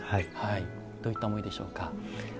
どういった思いでしょうか。